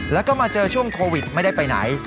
แล้วก็มาเจอช่วงโควิดไม่ได้ไปไหน